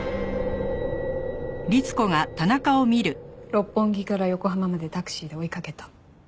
六本木から横浜までタクシーで追いかけた。